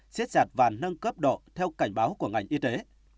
xét giặt và nâng cấp độ theo cảnh báo của ngành y tế